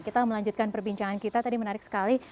kita melanjutkan perbincangan kita tadi menarik sekali